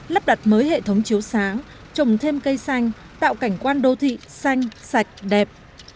lắp đặt mới hệ thống chiếu sáng trồng thêm cây xanh tạo cảnh quan đô thị xanh sạch đẹp